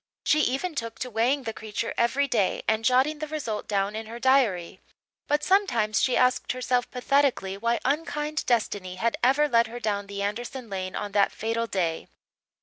She even took to weighing the creature every day and jotting the result down in her diary; but sometimes she asked herself pathetically why unkind destiny had ever led her down the Anderson lane on that fatal day.